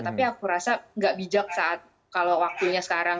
tapi aku rasa gak bijak saat kalau waktunya sekarang